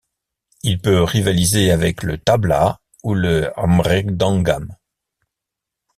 Il peut rivaliser avec le tablâ ou le mridangam.